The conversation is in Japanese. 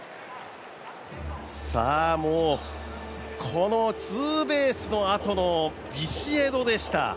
このツーベースのあとのビシエドでした。